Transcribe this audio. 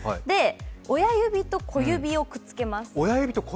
親指と小指をくっつけます。